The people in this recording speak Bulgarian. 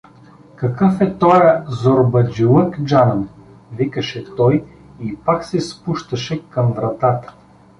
— Какъв е тоя зорбаджилък, джанъм!— викаше той и пак се спущаше към вратата.